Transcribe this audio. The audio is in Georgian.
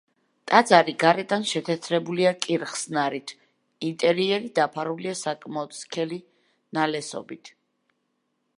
ტაძარი გარედან შეთეთრებულია კირხსნარით, ინტერიერი დაფარულია საკმაოდ სქელი ნალესობით.